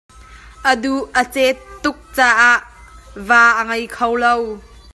A duh a ceet tuk caah va a ngei kho lo.